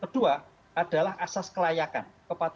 kedua adalah asas kelayakan